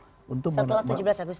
setelah tujuh belas agustus